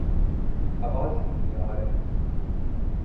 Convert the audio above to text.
آواز ہی نہیں آرہی